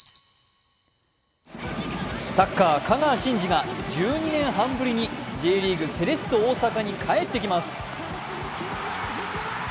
サッカー香川真司が１２年半ぶりにＪリーグ・セレッソ大阪に帰ってきます。